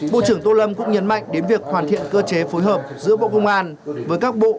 bộ trưởng tô lâm cũng nhấn mạnh đến việc hoàn thiện cơ chế phối hợp giữa bộ công an với các bộ